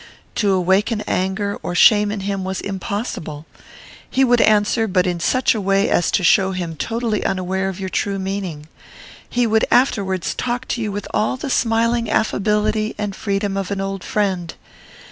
To awaken anger or shame in him was impossible. He would answer, but in such a way as to show him totally unaware of your true meaning. He would afterwards talk to you with all the smiling affability and freedom of an old friend.